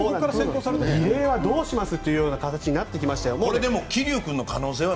リレーはどうしますという形になってきましたよ。